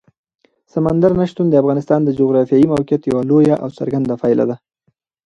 سمندر نه شتون د افغانستان د جغرافیایي موقیعت یوه لویه او څرګنده پایله ده.